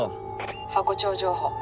ハコ長情報。